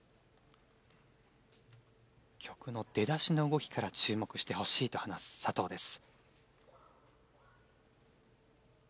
「曲の出だしの動きから注目してほしい」と話す佐藤です。